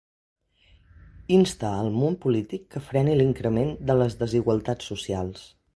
Insta al món polític que freni l'increment de les desigualtats socials.